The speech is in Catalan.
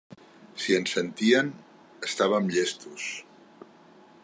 Si ens sentien estàvem llestos.